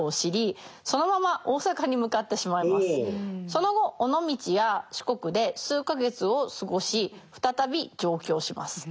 その後尾道や四国で数か月を過ごし再び上京します。